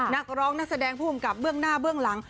นักร้องนักแสดงผู้กำกับเบื้องหน้าเบื้องหลัง